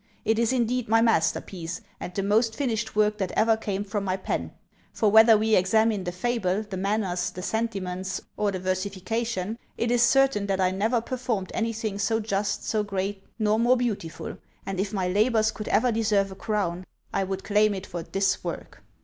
It is indeed my masterpiece! and the most finished work that ever came from my pen; for whether we examine the fable, the manners, the sentiments, or the versification, it is certain that I never performed anything so just, so great, nor more beautiful; and if my labours could ever deserve a crown, I would claim it for this work!"